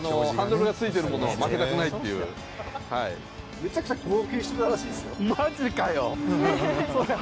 めちゃくちゃ号泣してたらしいですよ。